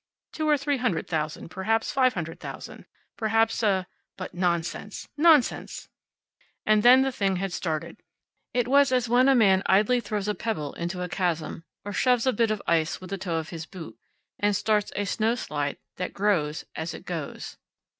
Two or three hundred thousand; perhaps five hundred thousand! perhaps a but, nonsense! Nonsense! And then the thing had started. It was as when a man idly throws a pebble into a chasm, or shoves a bit of ice with the toe of his boot, and starts a snow slide that grows as it goes.